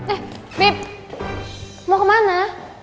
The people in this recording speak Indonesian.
eh bib mau kemana